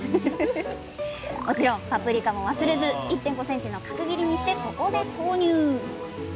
もちろんパプリカも忘れず１．５ｃｍの角切りにしてここで投入！